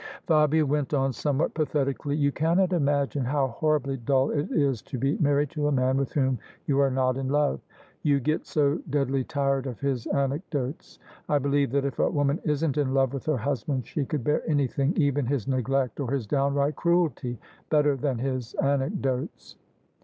Fabia went on somewhat pathetically: "You cannot imagine how horribly dull it is to be married to a man with whom you are not in love; you get so deadly tired of his anecdotes. 1 believe that if a woman isn't in love with her husband, she could bear anything— even his neglect or his downright cruelty — better than his anecdotes."